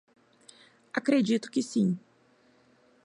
Acredito que sim